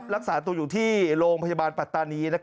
รักษาตัวอยู่ที่โรงพยาบาลปัตตานี